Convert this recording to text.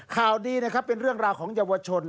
ข่าวดีนะครับเป็นเรื่องราวของเยาวชน